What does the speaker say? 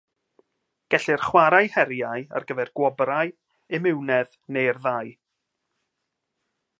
Gellir chwarae heriau ar gyfer gwobrau, imiwnedd, neu'r ddau.